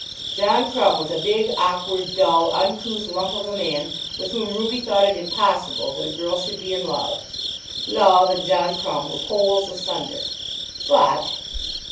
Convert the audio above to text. John Crumb was a big, awkward, dull, uncouth lump of a man, with whom Ruby thought it impossible that a girl should be in love. Love and John Crumb were poles asunder. But